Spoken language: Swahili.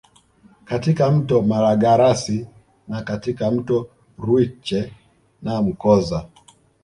Katika mto Malagarasi na katika mto Rwiche na Mkoza